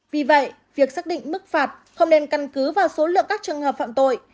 vì vậy việc xác định mức phạt không nên căn cứ vào số lượng các trường hợp phạm tội